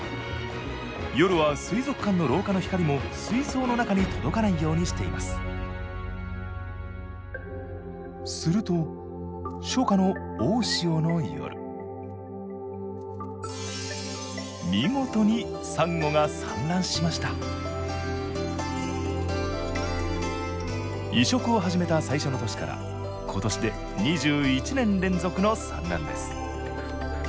夜は水族館の廊下の光も水槽の中に届かないようにしていますすると初夏の大潮の夜見事にサンゴが産卵しました移植を始めた最初の年から今年で２１年連続の産卵です。